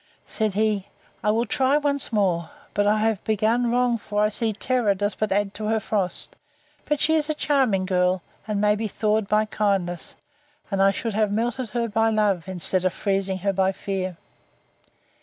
Said he, I will try once more; but I have begun wrong for I see terror does but add to her frost; but she is a charming girl, and may be thawed by kindness; and I should have melted her by love, instead of freezing her by fear.